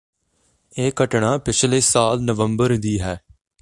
ਇਹ ਘਟਨਾ ਪਿਛਲੇ ਸਾਲ ਨਵੰਬਰ ਦੀ ਹੈ